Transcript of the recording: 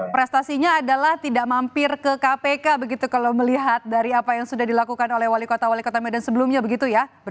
prestasinya adalah tidak mampir ke kpk begitu kalau melihat dari apa yang sudah dilakukan oleh wali kota wali kota medan sebelumnya begitu ya